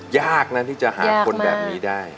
ยากนะที่จะหาคนแบบนี้ได้